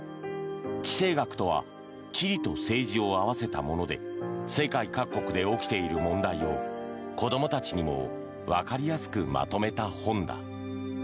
地政学とは地理と政治を合わせたもので世界各国で起きている問題を子どもたちにもわかりやすくまとめた本だ。